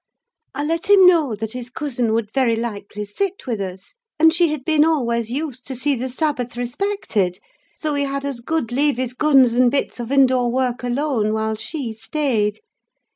I let him know that his cousin would very likely sit with us, and she had been always used to see the Sabbath respected; so he had as good leave his guns and bits of indoor work alone, while she stayed.